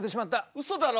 「うそだろ？」。